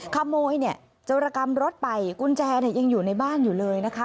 ขโมยเจรกรรมรถไปกุญแจยังอยู่ในบ้านอยู่เลยนะคะ